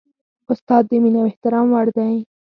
استاد د مینې او احترام وړ دی.